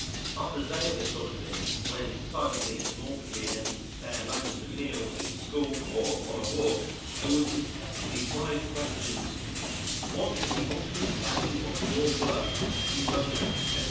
After a day of this sort of thing, when silently and morbidly in every spare moment, at meals, in school, or on a walk, I would incessantly ply the questions, "What is the ultimate value of your work, cui bono?" etc.